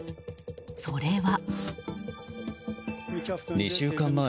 それは。